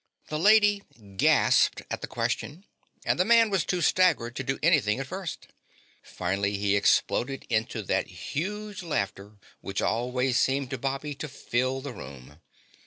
The lady gasped at the question and the man was too staggered to do anything at first; finally he exploded into that huge laughter which always seemed to Bobby to fill the room.